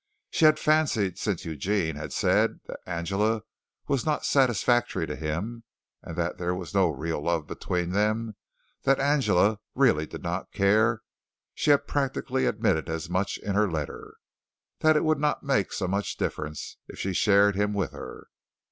She had fancied since Eugene had said that Angela was not satisfactory to him and that there was no real love between them, that Angela really did not care she had practically admitted as much in her letter that it would not make so much difference if she shared him with her.